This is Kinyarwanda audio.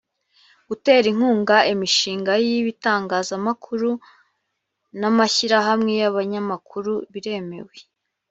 gutera inkunga imishinga y’ ibitangazamakuru n ‘amashyirahamwe y ‘abanyamakuru biremewe.